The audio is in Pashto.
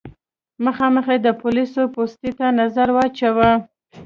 مخامخ يې د پوليسو پوستې ته نظر واچوه.